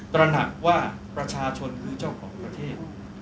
ตระหนักว่าประชาชนคือเจ้าของประเทศ